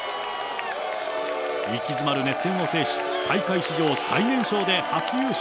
息詰まる熱戦を制し、大会史上最年少で初優勝。